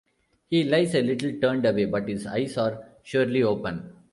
He lies a little turned away, but his eyes are surely open.